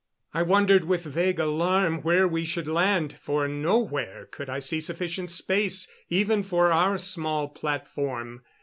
I wondered with vague alarm where we should land, for nowhere could I see sufficient space, even for our small platform.